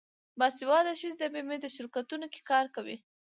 باسواده ښځې د بیمې په شرکتونو کې کار کوي.